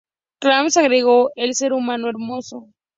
Kravitz agregó: "Él era un ser humano hermoso.